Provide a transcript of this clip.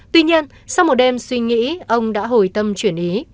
tuy nhiên sau một đêm suy nghĩ ông đã hồi tâm chuyển ý